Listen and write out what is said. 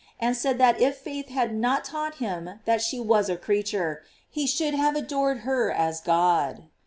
and said that if faith had not taught him that she was a creature, he should have adored her as God.